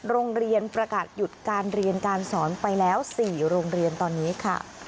โรงเรียนประกาศหยุดการเรียนการสอนไปแล้ว๔โรงเรียนตอนนี้ค่ะ